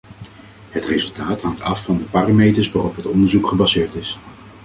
Het resultaat hangt af van de parameters waarop het onderzoek gebaseerd is.